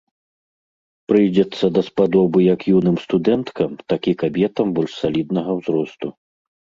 Прыйдзецца даспадобы як юным студэнткам, так і кабетам больш саліднага ўзросту.